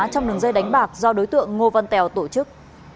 trong đường dây đánh bạc do đối tượng ngô văn tèo tổ chức